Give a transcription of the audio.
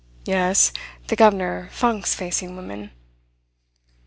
Yes, the governor funks facing women."